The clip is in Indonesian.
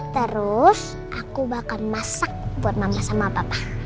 terus aku bakal masak buat mama sama papa